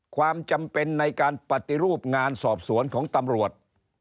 ความจำเป็นในการปฏิรูปงานสอบสวนของตำรวจ